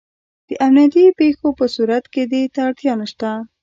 د امنیتي پېښو په صورت کې دې ته اړتیا نشته.